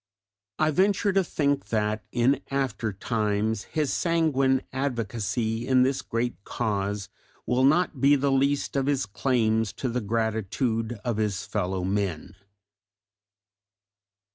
I venture to think that in aftertimes his sanguine advocacy in this great cause will not be the least of his claims to the gratitude of his fellow men.